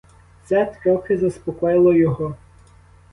Це трохи заспокоїло його.